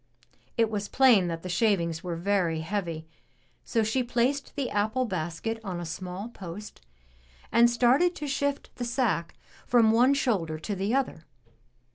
It was plain that the shavings were very heavy, so she placed the apple basket on a small post and started to shift the sack from one shoulder to the other.